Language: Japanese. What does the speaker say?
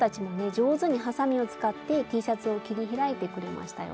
上手にはさみを使ってＴシャツを切り開いてくれましたよ。